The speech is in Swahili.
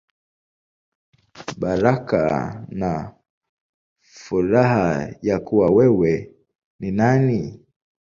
Baraka na Furaha Ya Kuwa Wewe Ni Nani.